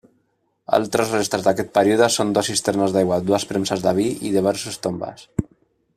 Altres restes d'aquest període són dues cisternes d'aigua, dues premses de vi i diversos tombes.